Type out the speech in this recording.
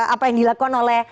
apa yang dilakukan oleh